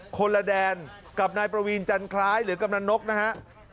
คนละแดนกับนายประวีนจันคล้ายหรือกำนันนกนะฮะ